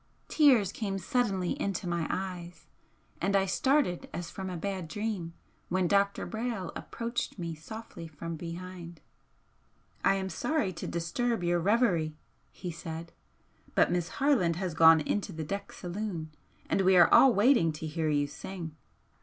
Tears came suddenly into my eyes and I started as from a bad dream when Dr. Brayle approached me softly from behind. "I am sorry to disturb your reverie!" he said "But Miss Harland has gone into the deck saloon and we are all waiting to hear you sing."